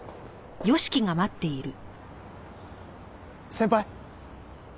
先輩？